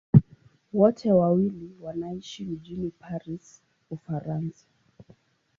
Wote wawili wanaishi mjini Paris, Ufaransa.